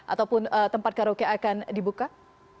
ataupun tempat karaoke akan dibuka